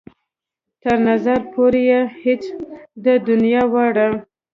تر نظر پورې يې هېڅ ده د دنيا واړه.